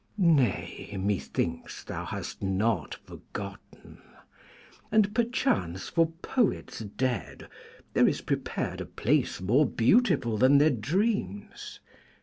Nay, methinks thou hast not forgotten, and perchance for poets dead there is prepared a place more beautiful than their dreams.